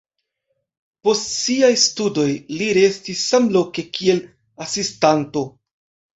Post siaj studoj li restis samloke kiel asistanto.